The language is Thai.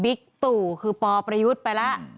ตู่คือปประยุทธ์ไปแล้ว